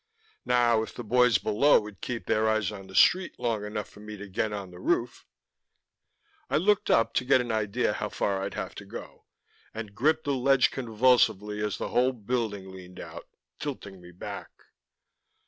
Now, if the boys below would keep their eyes on the street long enough for me to get on the roof I looked up, to get an idea how far I'd have to go and gripped the ledge convulsively as the whole building leaned out, tilting me back....